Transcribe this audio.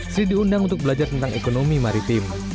sri diundang untuk belajar tentang ekonomi maritim